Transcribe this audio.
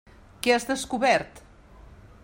Què has descobert?